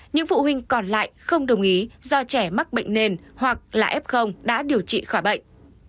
những phụ huynh còn lại không đồng ý do trẻ mắc bệnh nền hoặc là f đã điều trị khỏi bệnh